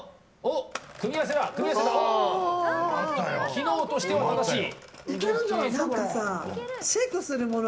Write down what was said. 機能としては正しい。